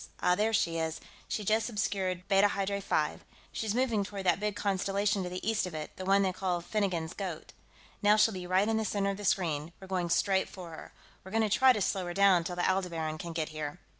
Ah, there she is; she just obscured Beta Hydrae V; she's moving toward that big constellation to the east of it, the one they call Finnegan's Goat. Now she'll be right in the center of the screen; we're going straight for her. We're going to try to slow her down till the Aldebaran can get here...."